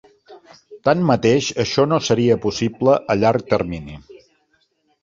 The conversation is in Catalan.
Tanmateix, això no seria possible a llarg termini.